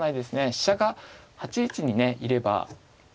飛車が８一にねいれば継ぎ歩